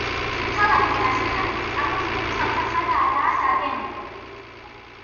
ქალაქის დასახელების წარმოშობა ცალსახად არაა დადგენილი.